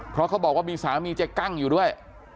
เพราะเขาบอกว่ามีสามีเจ๊กั้งอยู่ด้วย